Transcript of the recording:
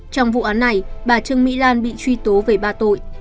trong vụ án này bà trương mỹ lan bị truy tố về ba tội